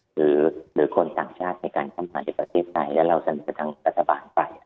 หรือคนต่างชาติในการทำใหม่ประเทศไทยและเราจะมีคำสั่งกฎสบายไป